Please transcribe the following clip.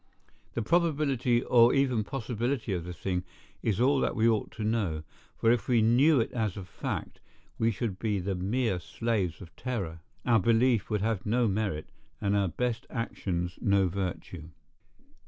The probability or even possibility of the thing is all that we ought to know; for if we knew it as a fact, we should be the mere slaves of terror; our belief would have no merit, and our best actions no virtue.